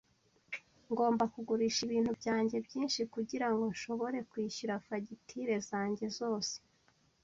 Ngomba kugurisha ibintu byanjye byinshi kugirango nshobore kwishyura fagitire zanjye zose.